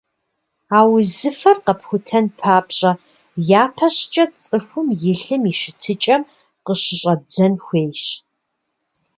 А узыфэр къэпхутэн папщӏэ, япэ щӏыкӏэ цӏыхум и лъым и щытыкӀэм къыщыщӀэдзэн хуейщ.